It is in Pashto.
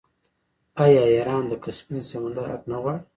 آیا ایران د کسپین سمندر حق نه غواړي؟